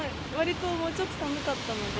わりと、もうちょっと寒かったので。